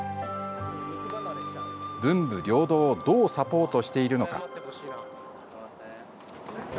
文武両道をどうサポートしているのか。